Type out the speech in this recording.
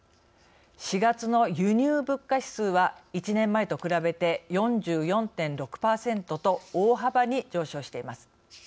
４月の輸入物価指数は１年前と比べて４４．６％と大幅に上昇しています。